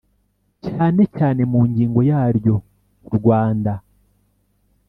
cyane cyane mu ngingo yaryo Rwanda